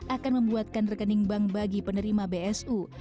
akan membuatkan rekening bank bagi penerima bsu